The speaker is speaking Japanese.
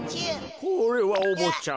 これはおぼっちゃま。